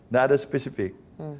gak ada spesifik